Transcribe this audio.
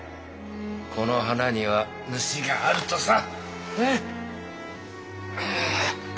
この花には主があるとさ。